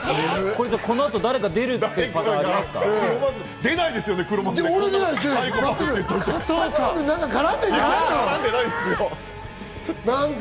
このあと出るパターン、ありますか？